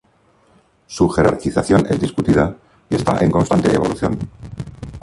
Su jerarquización es discutida y está en constante evolución.